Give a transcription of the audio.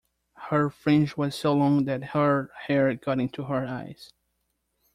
Her fringe was so long that her hair got into her eyes